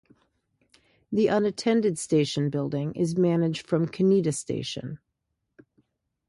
The unattended station building is managed from Kanita Station.